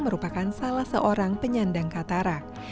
merupakan salah seorang penyandang katarak